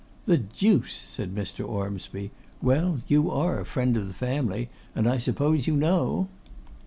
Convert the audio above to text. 'The deuce!' said Mr. Ormsby; 'well, you are a friend of the family, and I suppose you know.